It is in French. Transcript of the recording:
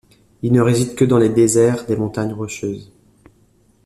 Il ne réside que dans les déserts des Montagnes Rocheuses.